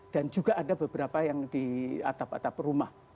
dan juga ada beberapa yang di atap atap rumah